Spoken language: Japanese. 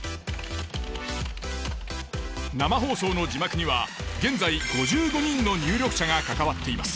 生放送の字幕には現在５５人の入力者が関わっています。